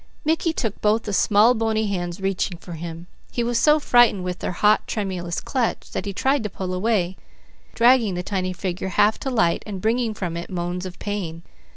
Mickey took both the small bony hands reaching for him. He was so frightened with their hot, tremulous clutch, that he tried to pull away, dragging the tiny figure half to light and bringing from it moans of pain.